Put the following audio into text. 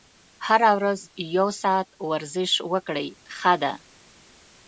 هره ورځ یو ساعت ورزش وکړئ ښه ده.